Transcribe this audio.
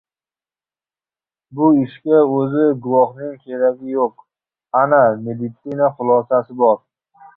Bu ishga o‘zi guvohning keragi yo‘q, ana meditsina xulosasi bor.